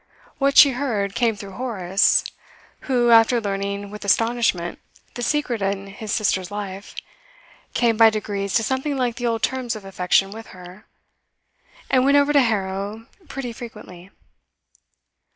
What she heard came through Horace, who, after learning with astonishment the secret in his sister's life, came by degrees to something like the old terms of affection with her, and went over to Harrow pretty frequently.